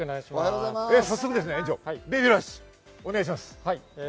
早速園長、ベビーラッシュお願いします。